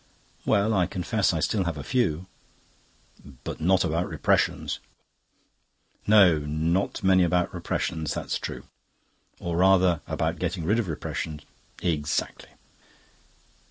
"Well, I confess I still have a few." "But not about repressions." "No, not many about repressions; that's true." "Or, rather, about getting rid of repressions." "Exactly."